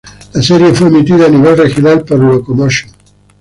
La serie fue emitida a nivel regional por Locomotion.